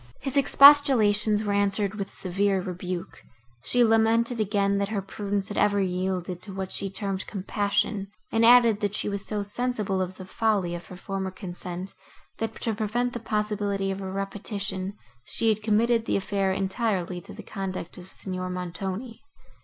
His expostulations were answered with severe rebuke; she lamented again, that her prudence had ever yielded to what she termed compassion, and added, that she was so sensible of the folly of her former consent, that, to prevent the possibility of a repetition, she had committed the affair entirely to the conduct of Signor Montoni.